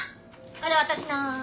これ私の。